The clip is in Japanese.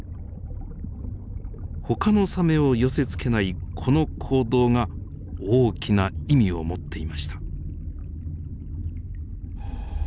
ほかのサメを寄せつけないこの行動が大きな意味を持っていました。